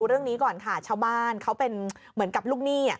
เรื่องนี้ก่อนค่ะชาวบ้านเขาเป็นเหมือนกับลูกหนี้